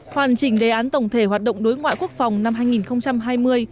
hoàn chỉnh đề án tổng thể hoạt động đối ngoại quốc phòng năm hai nghìn hai mươi